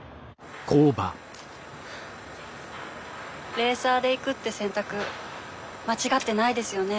レーサーでいくって選択間違ってないですよね。